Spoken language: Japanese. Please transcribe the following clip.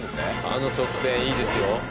あの側転いいですよ。